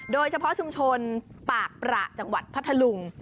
โดยเฉพาะชุมชนปากประจังหวัดพัทธลุง